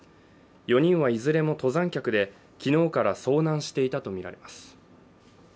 ４人はいずれも登山客で、昨日から遭難していたとみられます。